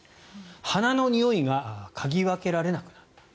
花のにおいが嗅ぎ分けられなくなった。